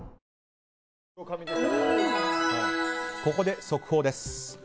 ここで速報です。